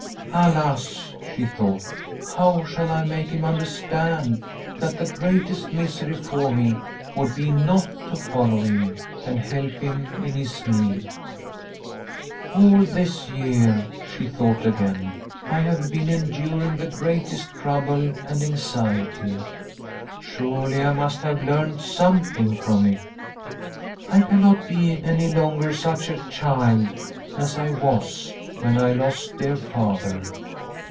" Alas! " she thought, " how shall I make him understand that the greatest misery for me would be not to follow him and help him in his need?" " All this year," she thought again, " I have been enduring the greatest trouble and anxiety. Surely, I must have learnt something from it ? I cannot be any longer such a child as I was when I lost dear Father.